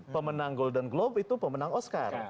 pemenang golden glove itu pemenang oscar